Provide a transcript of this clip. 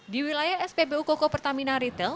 di wilayah spbu koko pertamina retail